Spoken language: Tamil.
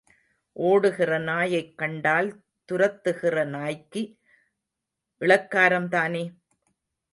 ஓடுகிற நாயைக் கண்டால் துரத்துகிற நாய்க்கு இளக்காரம் தானே?